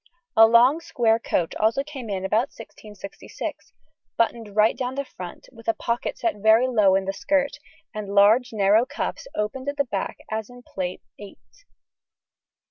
A long square coat also came in about 1666, buttoned right down the front, with pockets set very low in the skirt, and large narrow cuffs opened at the back as in Plate VIII (see p.